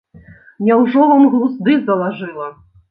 Няўжо вам глузды залажыла.